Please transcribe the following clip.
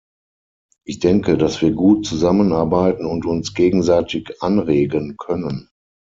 Ich denke, dass wir gut zusammenarbeiten und uns gegenseitig anregen können.